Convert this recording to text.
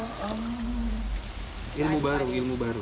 ilmu baru ilmu baru